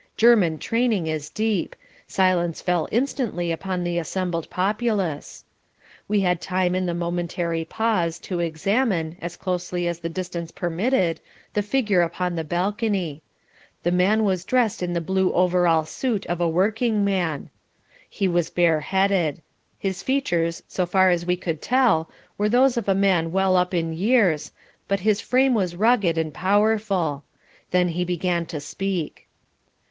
German training is deep. Silence fell instantly upon the assembled populace. We had time in the momentary pause to examine, as closely as the distance permitted, the figure upon the balcony. The man was dressed in the blue overall suit of a workingman. He was bare headed. His features, so far as we could tell, were those of a man well up in years, but his frame was rugged and powerful. Then he began to speak.